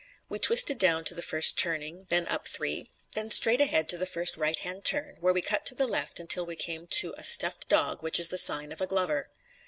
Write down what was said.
We twisted down to the first turning, then up three, then straight ahead to the first right hand turn, where we cut to the left until we came to a stuffed dog, which is the sign of a glover.